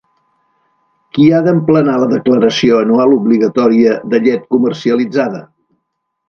Qui ha d'emplenar la declaració anual obligatòria de llet comercialitzada?